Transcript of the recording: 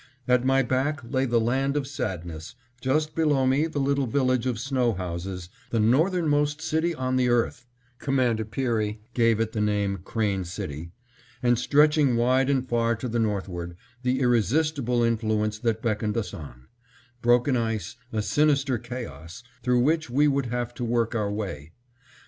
At my back lay the land of sadness, just below me the little village of snow houses, the northern most city on the earth (Commander Peary give it the name Crane City), and, stretching wide and far to the northward, the irresistible influence that beckoned us on; broken ice, a sinister chaos, through which we would have to work our way.